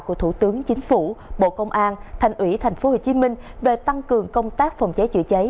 của thủ tướng chính phủ bộ công an thành ủy tp hcm về tăng cường công tác phòng cháy chữa cháy